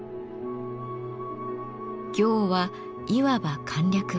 「行」はいわば簡略版。